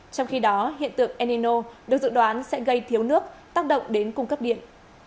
trong khi đó hiện tượng enino được dự đoán sẽ gây thiếu nước tác động đến cung cấp điện